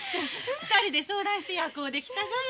２人で相談して夜行で来たがよ。